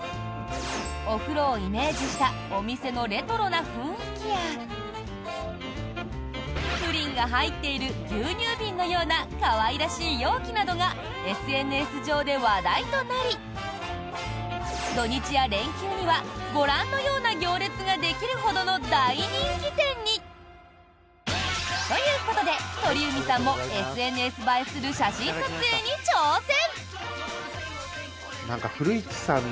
お風呂をイメージしたお店のレトロな雰囲気やプリンが入っている牛乳瓶のような可愛らしい容器などがＳＮＳ上で話題となり土日や連休にはご覧のような行列ができるほどの大人気店に！ということで、鳥海さんもＳＮＳ映えする写真撮影に挑戦！